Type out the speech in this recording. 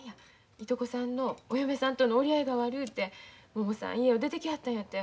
いとこさんのお嫁さんとの折り合いが悪うてももさん家を出てきはったんやて。